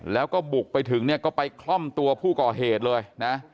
แล้วก็บุกไปถึงเนี่ยก็ไปคล่อมตัวผู้ก่อเหตุเลยนะ